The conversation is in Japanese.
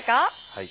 はい。